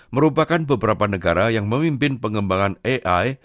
merupakan beberapa negara yang memimpin pengembangan ai